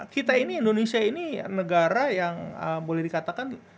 kita ini indonesia ini negara yang boleh dikatakan